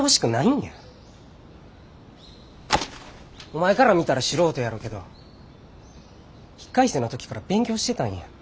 お前から見たら素人やろうけど１回生の時から勉強してたんや。